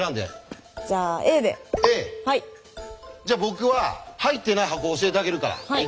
じゃ僕は入ってない箱を教えてあげるから。